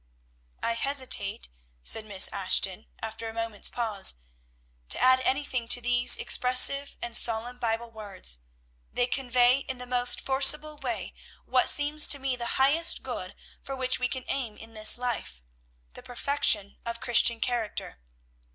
"I hesitate," said Miss Ashton, after a moment's pause, "to add anything to these expressive and solemn Bible words. They convey in the most forcible way what seems to me the highest good for which we can aim in this life, the perfection of Christian character.